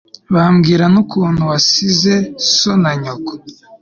bambwira n'ukuntu wasize so na nyoko